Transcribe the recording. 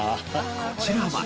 こちらは。